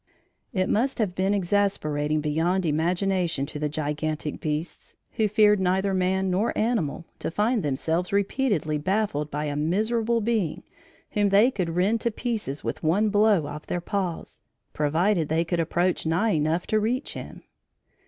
It must have been exasperating beyond imagination to the gigantic beasts, who feared neither man nor animal to find themselves repeatedly baffled by a miserable being whom they could rend to pieces with one blow of their paws, provided they could approach nigh enough to reach him.